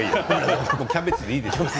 キャベツでいいです。